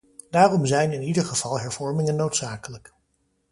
Daarom zijn in ieder geval hervormingen noodzakelijk.